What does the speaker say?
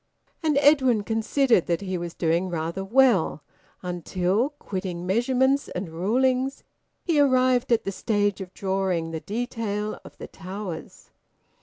And Edwin considered that he was doing rather well until, quitting measurements and rulings, he arrived at the stage of drawing the detail of the towers.